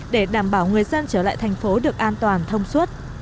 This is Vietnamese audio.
để đảm bảo người dân trở lại thành phố được an toàn thông suốt